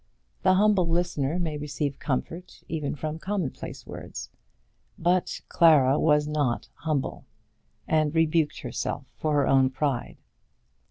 The humble listener may receive comfort even from commonplace words; but Clara was not humble, and rebuked herself for her own pride.